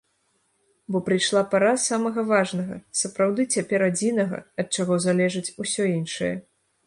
Бо прыйшла пара самага важнага, сапраўды цяпер адзінага, ад чаго залежыць усё іншае.